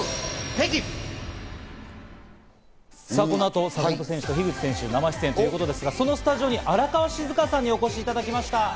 この後、坂本選手と樋口選手、生出演ということですが、そのスタジオに荒川静香さんにお越しいただきました。